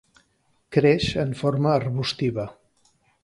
Creix en forma arbustiva.